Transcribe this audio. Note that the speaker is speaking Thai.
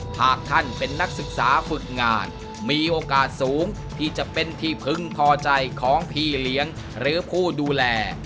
หากท่านเป็นนักศึกษาฝึกงานมีโอกาสสูงที่จะเป็นที่พึงพอใจของพี่เลี้ยงหรือผู้ดูแล